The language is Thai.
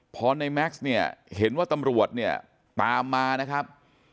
พอในแม็กซ์เห็นว่าตำรวจตามมานะครับ